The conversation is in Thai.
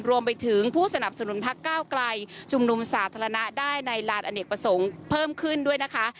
รวมถึงผู้สนับสนุนพักก้าวไกลชุมนุมสาธารณะได้ในลานอเนกประสงค์เพิ่มขึ้นด้วยนะคะ